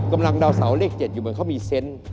๑๐กำลังเดาเสาร์เลข๗อยู่เหมือนเขามีเซ็นท์